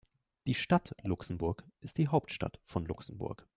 Die Stadt Luxemburg ist die Hauptstadt von Luxemburg.